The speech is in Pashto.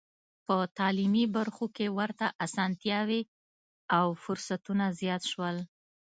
په تعلیمي برخو کې ورته اسانتیاوې او فرصتونه زیات شول.